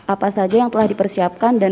apa saja yang telah dipersiapkan dan